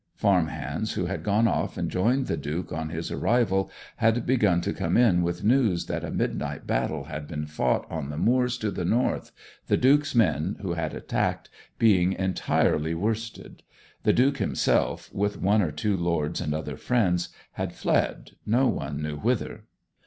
Farm hands who had gone off and joined the Duke on his arrival had begun to come in with news that a midnight battle had been fought on the moors to the north, the Duke's men, who had attacked, being entirely worsted; the Duke himself, with one or two lords and other friends, had fled, no one knew whither.